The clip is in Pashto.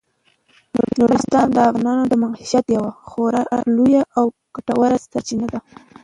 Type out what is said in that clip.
نورستان د افغانانو د معیشت یوه خورا لویه او ګټوره سرچینه ده.